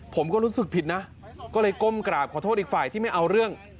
ผมก็รู้สึกผิดนะก็เลยก้มกราบขอโทษอีกฝ่ายที่ไม่เอาเรื่อง